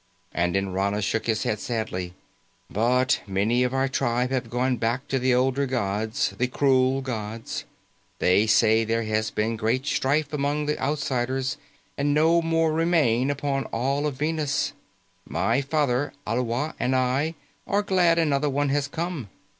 And Nrana shook his head sadly, "But many of our tribe have gone back to the older gods, the cruel gods. They say there has been great strife among the outsiders, and no more remain upon all of Venus. My father, Alwa, and I are glad another one has come.